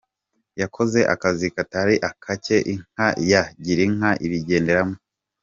Yakoze akazi katari ake inka ya Girinka ibigenderamo